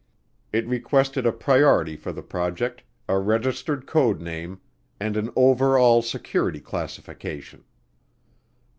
It requested a priority for the project, a registered code name, and an over all security classification.